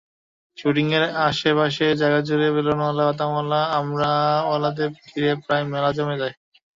শুটিংয়ের আশপাশের জায়গাজুড়ে বেলুনওয়ালা, বাদামওয়ালা, আমড়াওয়ালাদের ভিড়ে প্রায় মেলা জমে যায়।